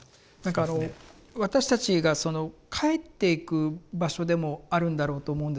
私たちがその帰っていく場所でもあるんだろうと思うんですけど。